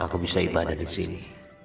aku bisa ibadah disini